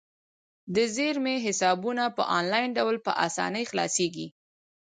د زیرمې حسابونه په انلاین ډول په اسانۍ خلاصیږي.